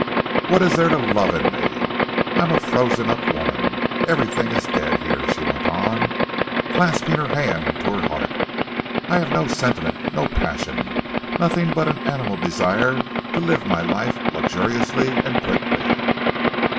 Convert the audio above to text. What is there to love in me? I am a frozen up woman. Everything is dead here," she went on, clasping her hand to her heart. "I have no sentiment, no passion, nothing but an animal desire to live my life luxuriously and quickly."